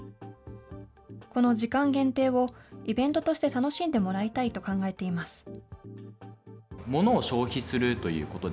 この時間限定を、イベントとして楽しんでもらいたいと考えています。